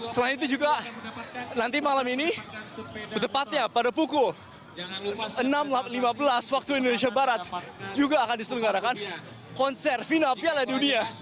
selain itu juga nanti malam ini tepatnya pada pukul enam lima belas waktu indonesia barat juga akan diselenggarakan konser final piala dunia